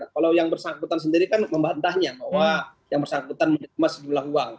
kalau yang bersangkutan sendiri kan membantahnya bahwa yang bersangkutan menerima sejumlah uang